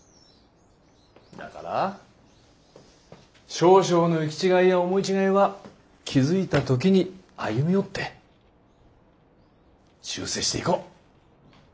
だから少々の行き違いや思い違いは気付いた時に歩み寄って修正していこう。